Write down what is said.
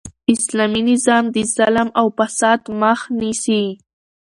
اسلامي نظام د ظلم او فساد مخ نیسي.